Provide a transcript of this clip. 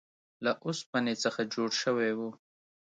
له اوسپنې څخه جوړ شوی و.